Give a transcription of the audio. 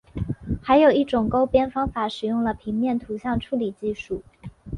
还有一种勾边方法使用了平面图像处理技术。